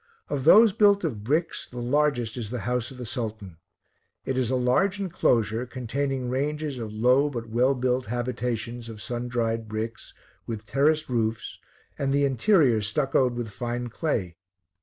Of those built of bricks, the largest is the house of the Sultan. It is a large enclosure, containing ranges of low but well built habitations of sun dried bricks, with terraced roofs, and the interior stuccoed with fine clay.